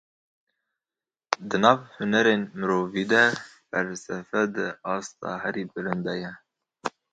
Di nav hunerên mirovî de felsefe di asta herî bilind de ye.